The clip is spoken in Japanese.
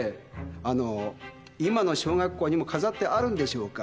あのー今の小学校にも飾ってあるんでしょうか。